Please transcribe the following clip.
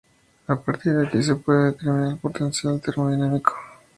A partir de aquí se puede determinar el potencial termodinámico.